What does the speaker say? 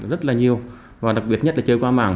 rất là nhiều và đặc biệt nhất là chơi qua mạng